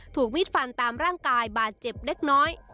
ถูกมีดฟันตามร่างกายบาดเจ็บเล็กน้อย